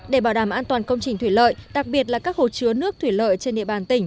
để bảo đảm an toàn công trình thủy lợi đặc biệt là các hồ chứa nước thủy lợi trên địa bàn tỉnh